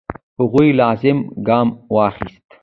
هغوی لازم ګام وانخیست.